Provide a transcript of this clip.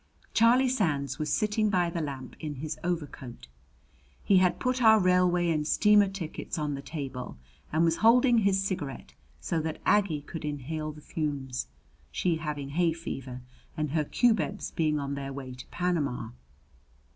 Charlie Sands was sitting by the lamp in his overcoat. He had put our railway and steamer tickets on the table, and was holding his cigarette so that Aggie could inhale the fumes, she having hay fever and her cubebs being on their way to Panama.